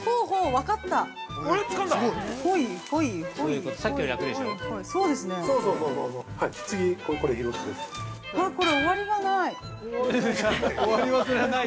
◆わっ、これ終わりがない。